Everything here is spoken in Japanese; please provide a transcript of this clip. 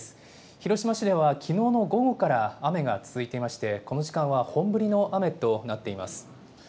広島市ではきのうの午後から雨が続いていまして、この時間は本降りの雨となっています。